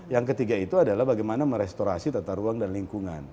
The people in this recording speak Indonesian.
yang ketiga itu adalah bagaimana merestorasi tata ruang dan lingkungan